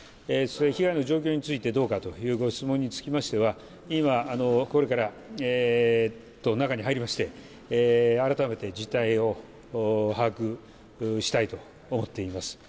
被害の状況についてどうかというご質問につきましては今これから中に入りまして改めて事態を把握したいと思っています。